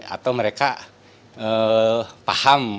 atau mereka paham